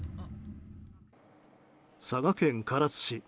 佐賀県唐津市。